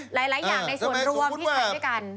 หลายอย่างในส่วนรวมที่ใช้ด้วยกัน